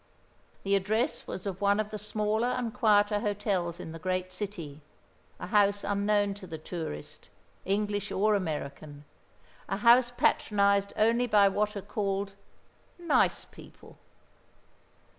The address was of one of the smaller and quieter hotels in the great city, a house unknown to the tourist, English or American: a house patronised only by what are called "nice people."